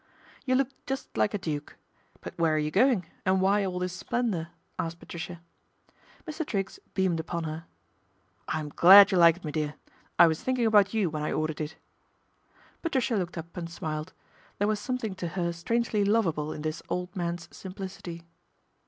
" You look just like a duke. But where are you going, and why all this splendour ?" asked Patricia. Mr. Triggs beamed upon her. " I'm glad you like it, me dear. I was thinking about you when I ordered it." Patricia looked up and smiled. There was something to her strangely lovable in this old man's simplicity.